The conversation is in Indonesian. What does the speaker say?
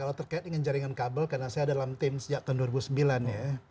kalau terkait dengan jaringan kabel karena saya dalam tim sejak tahun dua ribu sembilan ya